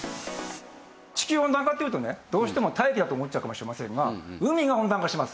地球温暖化っていうとねどうしても大気だと思っちゃうかもしれませんが海が温暖化してます